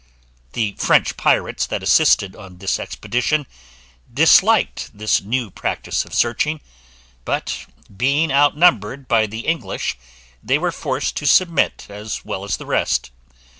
The French pirates that assisted on this expedition disliked this new practice of searching; but, being outnumbered by the English, they were forced to submit as well as the rest.